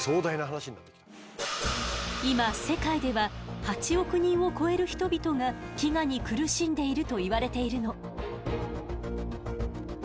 今世界では８億人を超える人々が飢餓に苦しんでいるといわれているの。